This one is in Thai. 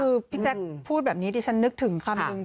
คือพี่แจ๊คพูดแบบนี้ดิฉันนึกถึงคำนึง